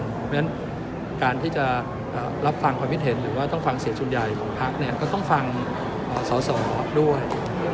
เพราะฉะนั้นการที่จะรับฟังความคิดเห็นหรือว่าต้องฟังเสียงส่วนใหญ่ของพักก็ต้องฟังสอสอด้วย